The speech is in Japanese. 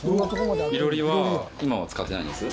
囲炉裏は今は使ってないんです。